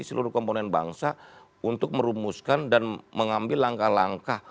seluruh komponen bangsa untuk merumuskan dan mengambil langkah langkah